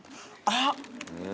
あっ！